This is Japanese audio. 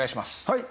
はい。